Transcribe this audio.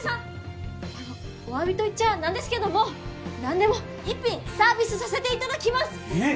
あのおわびと言っちゃなんですけども何でも１品サービスさせていただきます！えっ！？